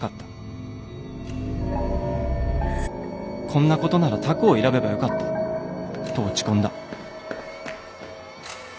こんなことなら他校を選べばよかったと落ち込んだ」。